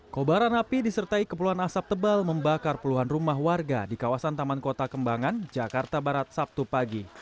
kobaran api disertai kepulan asap tebal membakar puluhan rumah warga di kawasan taman kota kembangan jakarta barat sabtu pagi